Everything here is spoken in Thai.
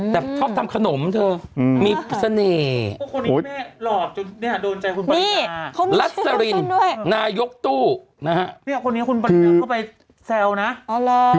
แต่ถอดทำขนมเธอมีเสน่ห์